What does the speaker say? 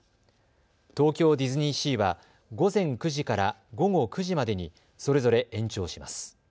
東京ディズニーシーは午前９時から午後９時までにそれぞれ延長します。